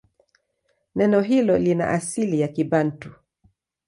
Neno hilo lina asili ya Kibantu.